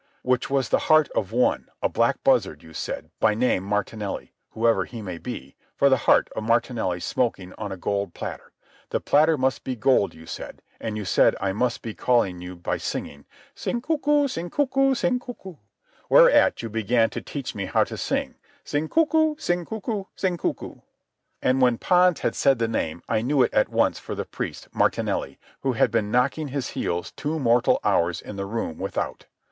"Which was the heart of one, a black buzzard, you said, by name Martinelli—whoever he may be—for the heart of Martinelli smoking on a gold platter. The platter must be gold, you said; and you said I must call you by singing, 'Sing cucu, sing cucu, sing cucu.' Whereat you began to teach me how to sing, 'Sing cucu, sing cucu, sing cucu.'" And when Pons had said the name, I knew it at once for the priest, Martinelli, who had been knocking his heels two mortal hours in the room without.